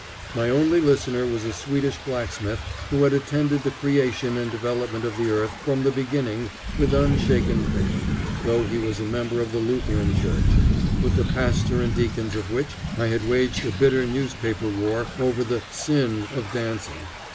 My only listener was a Swedish blacksmith who had attended the creation and development of the earth from the beginning with unshaken faith, though he was a member of the Lutheran church, with the pastor and deacons of which I had waged a bitter newspaper war over the "sin" of dancing.